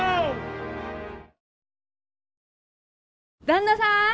旦那さん！